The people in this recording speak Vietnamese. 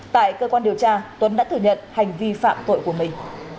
tại cơ quan điều tra tuấn đã thừa nhận hành vi phạm tội của mình